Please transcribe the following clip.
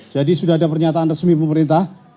sudah ada pernyataan resmi pemerintah